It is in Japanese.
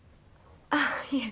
あっいえ。